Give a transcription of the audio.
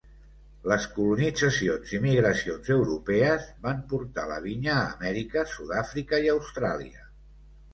Les colonitzacions i migracions europees van portar la vinya a Amèrica, Sud-àfrica i Austràlia.